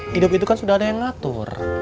hidup itu kan sudah ada yang ngatur